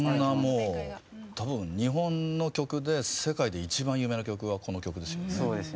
多分日本の曲で世界で一番有名な曲はこの曲ですよね。